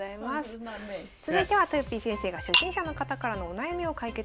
続いてはとよぴー先生が初心者の方からのお悩みを解決するコーナー。